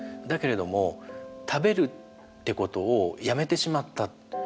だけれども食べるってことをやめてしまった。